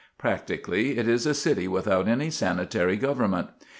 Practically, it is a city without any sanitary government.